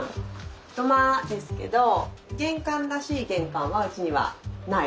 土間ですけど玄関らしい玄関はうちにはない。